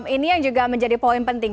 ini yang juga menjadi poin penting